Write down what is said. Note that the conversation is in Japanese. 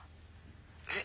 えっ？